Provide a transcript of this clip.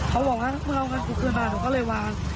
เขาบอกว่ามึงเอาเงินกูคืนบาทหนูก็เลยวาง